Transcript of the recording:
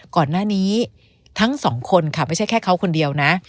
ก่อนหน้านี้ทั้งสองคนค่ะไม่ใช่แค่เขาคนเดียวนะ